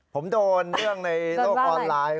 ผมโดนเรื่องในโลกออนไลน์